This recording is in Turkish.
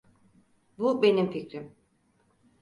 Bu benim fikrim.